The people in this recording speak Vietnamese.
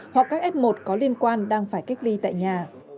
hoặc các f một có liên quan đang phải cách ly tại nhà